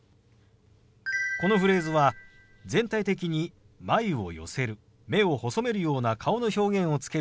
このフレーズは全体的に眉を寄せる目を細めるような顔の表現をつけるのがポイントです。